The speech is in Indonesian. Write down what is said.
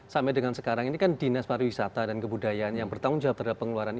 sampai dengan sekarang ini kan dinas pariwisata dan kebudayaan yang bertanggung jawab terhadap pengeluaran ini